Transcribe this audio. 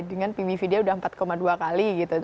dengan pmv dia udah empat dua kali gitu